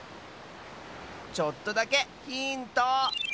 ちょっとだけヒント！